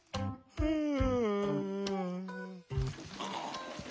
うん。